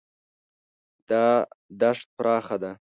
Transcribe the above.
دا دښت پراخه ده.